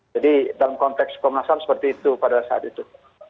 jadi dalam konteks komnas ham seperti itu pada saat itu